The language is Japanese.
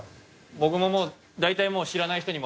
僕ももう大体もう。